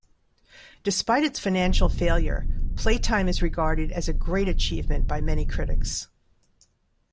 Despite its financial failure, "Playtime" is regarded as a great achievement by many critics.